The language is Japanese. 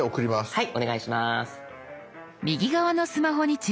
はい。